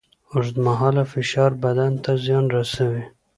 اوږدمهاله فشار بدن ته زیان رسوي.